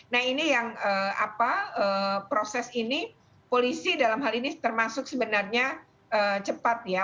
nah ini yang proses ini polisi dalam hal ini termasuk sebenarnya cepat ya